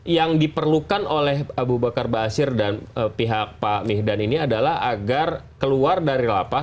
yang diperlukan oleh abu bakar basir dan pihak pak mihdan ini adalah agar keluar dari lapas